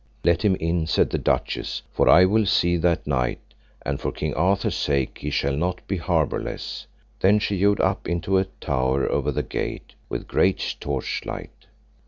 Let him in, said the duchess, for I will see that knight, and for King Arthur's sake he shall not be harbourless. Then she yode up into a tower over the gate, with great torchlight.